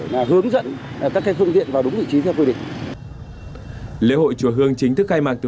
và hướng dẫn các phương tiện vào đúng vị trí theo quy định lễ hội chùa hương chính thức khai mạc